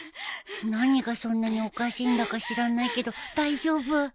何がそんなにおかしいんだか知らないけど大丈夫？